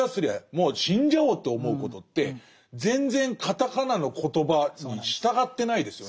もう死んじゃおうと思うことって全然カタカナのコトバに従ってないですよね。